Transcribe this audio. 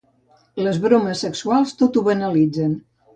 Les bromes sexuals tot ho banalitzen.